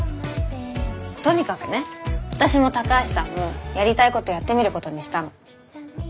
とにかくね私も高橋さんもやりたいことやってみることにしたの。